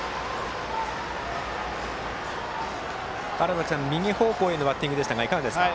川原崎さん、右方向へのバッティング、いかがですか。